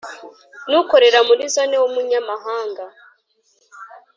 n ukorera muri Zone w umunyamahanga